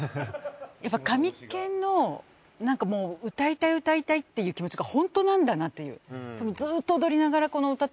やっぱカミケンの歌いたい歌いたいっていう気持ちがホントなんだなっていう。